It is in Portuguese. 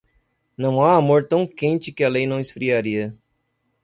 Não há amor tão quente que a lei não esfriaria.